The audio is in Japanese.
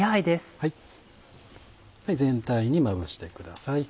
全体にまぶしてください。